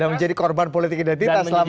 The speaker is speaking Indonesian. dan menjadi korban politik identitas selama ini